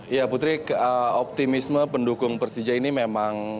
ya putri optimisme pendukung persija ini memang